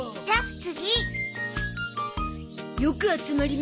次！